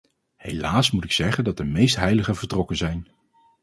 Helaas moet ik zeggen dat de meeste heiligen vertrokken zijn.